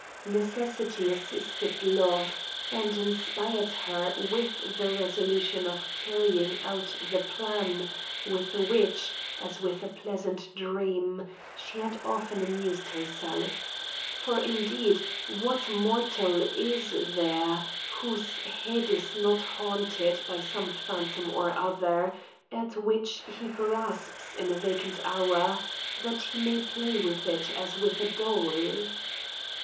Necessity assisted love, and inspired her with the resolution of carrying out the plan, with which, as with a pleasant dream, she had often amused herself; for, indeed, what mortal is there, whose head is not haunted by some phantom or other, at which he grasps in a vacant hour, that he may play with it as with a doll?